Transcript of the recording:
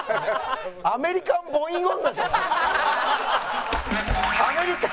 アメリカンボイン女じゃないですか。